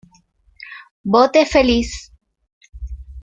Vote Feliz".